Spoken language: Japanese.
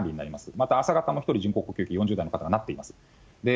また、朝方も１人、人工呼吸器、４０代の方がなっています。